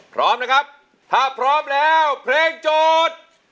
พร้อมนะครับถ้าพร้อมแล้วเพลงโจทย์